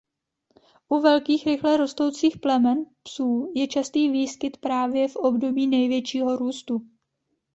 U velkých rychle rostoucích plemen psů je častý výskyt právě v období největšího růstu.